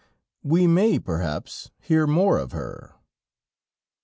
We may, perhaps, hear more of her.